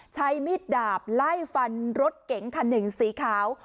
ใช้มีดดาบไล่ฟันรถเก๋งคันหนึ่งสีขาว